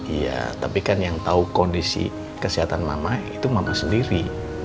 iya tapi kan yang tahu kondisi kesehatan mama itu mama sendiri